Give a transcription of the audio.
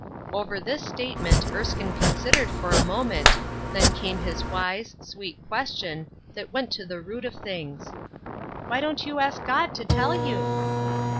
Over this statement Erskine considered for a moment, then came his wise, sweet question, that went to the root of things :" Why don't you ask God to tell you